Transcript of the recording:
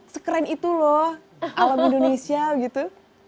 sekeren itu loh alam indonesia gitu